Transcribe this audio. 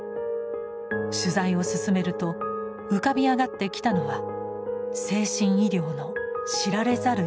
取材を進めると浮かび上がってきたのは精神医療の知られざる一面でした。